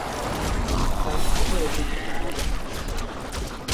তুমি তার থেকেও বেশি সুন্দরী।